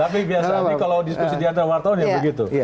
tapi biasanya kalau diskusi diantara wartawan ya begitu